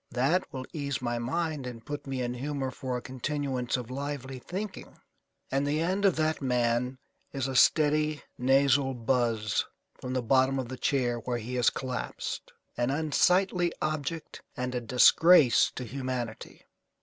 That will ease my mind and put me in humour for a continuance of lively thinking." And the end of that man is a steady nasal buzz from the bottom of the chair where he has collapsed, an unsightly object and a disgrace to humanity.